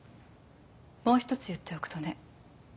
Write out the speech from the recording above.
もう１つ言っておくとね